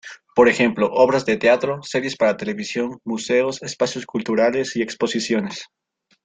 Por ejemplo: obras de teatro, series para televisión, museos, espacios culturales y exposiciones.